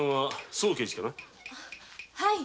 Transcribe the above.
はい。